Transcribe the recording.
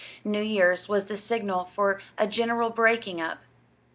New Year's was the signal for a general breaking up.